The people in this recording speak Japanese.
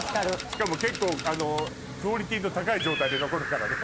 しかも結構クオリティーの高い状態で残るからね。